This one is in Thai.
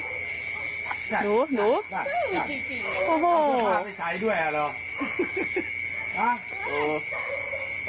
เอาเจ้าผ้าไปใส่ด้วยอ่ะหรอ